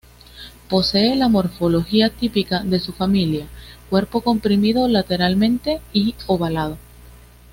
Posee la morfología típica de su familia, cuerpo comprimido lateralmente y ovalado.